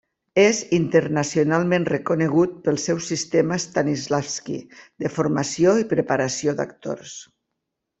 És internacionalment reconegut pel seu sistema Stanislavski de formació i preparació d'actors.